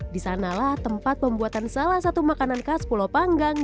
disanalah tempat pembuatan salah satu makanan khas pulau panggang